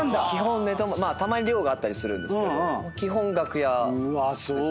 たまに寮があったりするけど基本楽屋ですね。